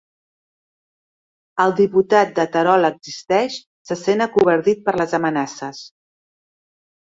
El diputat de Terol Existeix se sent acovardit per les amenaces